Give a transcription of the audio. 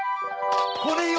これよ